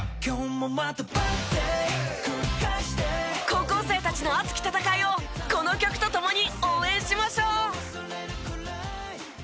高校生たちの熱き戦いをこの曲と共に応援しましょう！